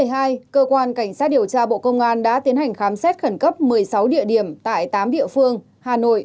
ngày một mươi một mươi hai cơ quan cảnh sát điều tra bộ công an đã tiến hành khám xét khẩn cấp một mươi sáu địa điểm tại tám địa phương hà nội